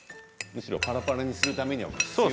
むしろパラパラにするためには。